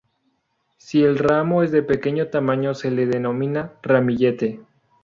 Si el ramo es de pequeño tamaño se le denomina ramillete.